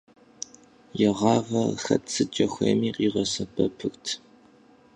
И гъавэр хэт сыткӏэ хуейми къигъэсэбэпырт.